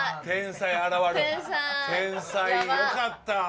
天才よかった。